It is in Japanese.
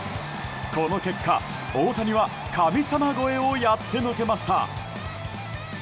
この結果、大谷は神様超えをやってのけました。